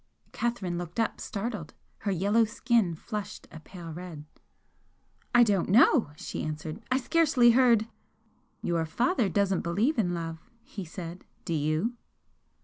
Catherine looked up, startled her yellow skin flushed a pale red. "I don't know," she answered "I scarcely heard "" "Your father doesn't believe in love," he said "Do you?"